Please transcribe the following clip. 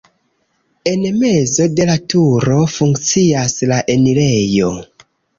En mezo de la turo funkcias la enirejo.